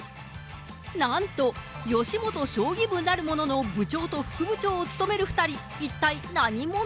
なんと、よしもと将棋ブなるものの部長と副部長を務める２人、一体何者？